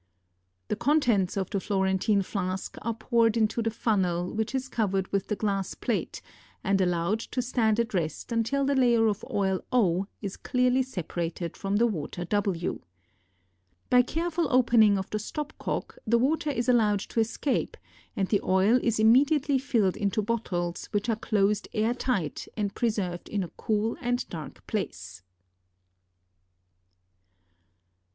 The contents of the Florentine flask are poured into the funnel which is covered with the glass plate and allowed to stand at rest until the layer of oil O is clearly separated from the water W. By careful opening of the stop cock the water is allowed to escape and the oil is immediately filled into bottles which are closed air tight and preserved in a cool and dark place.